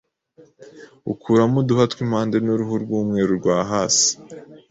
ukuramo uduhwa tw’impande n’uruhu rw’umweru rwa hasi